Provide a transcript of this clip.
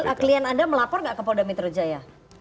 oke jadi klien anda melapor nggak ke polda mitra jaya